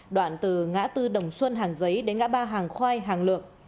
đoạn từ ngã tư đồng xuân hàng giấy đến ngã ba hàng khoai hàng lượng